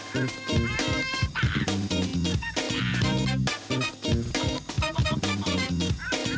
ฝากที่สุดอยู่กัน